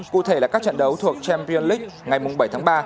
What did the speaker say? cụ thể là các trận đấu thuộc champions league ngày bảy tháng ba